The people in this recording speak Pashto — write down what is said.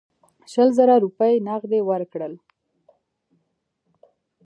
شل زره روپۍ نغدي ورکړل.